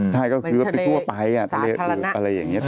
ใช่ก็คือไปทั่วไปอะไรอย่างนี้